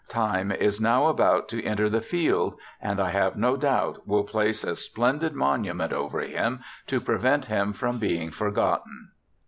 Time is now about to enter the field, and I have no doubt will place a splendid monument over him, to prevent him from being for gotten.